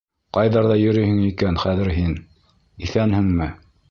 Ҡайҙарҙа йөрөйһөң икән хәҙер һин, иҫәнһеңме?